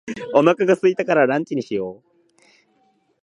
お腹が空いたからランチにしよう。